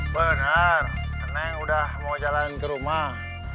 bener neng udah mau jalan ke rumah